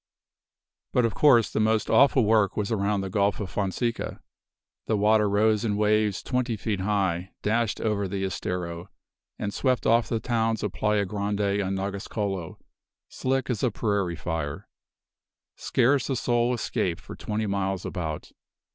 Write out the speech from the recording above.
"But of course the most awful work was around the Gulf of Fonseca. The water rose in waves twenty feet high, dashed over the Estero, and swept off the towns of Playa Grande and Nagascolo, slick as a prairie fire. Scarce a soul escaped for twenty miles about.